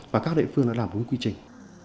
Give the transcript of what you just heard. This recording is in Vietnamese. và các địa phương đã làm hướng quy trình